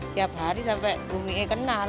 tiap hari sampai buminya kenal